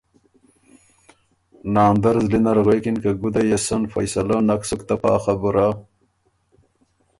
ناندر زلی نر غوېکِن که ګُده يې سن فیصله نک سُک ته پا خبُره،